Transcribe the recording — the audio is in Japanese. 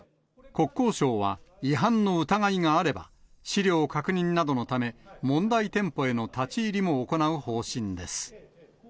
国交省は、違反の疑いがあれば、資料確認などのため、問題店舗への立ち入りも行う方針です。